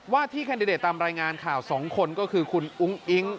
ที่แคนดิเดตตามรายงานข่าว๒คนก็คือคุณอุ้งอิ๊ง